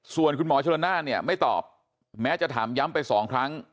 ส่วนคุณหมอชนน่านเนี่ยไม่ตอบแม้จะถามย้ำไปสองครั้ง